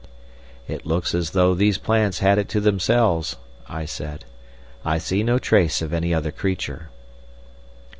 "It looks as though these plants had it to themselves," I said. "I see no trace of any other creature."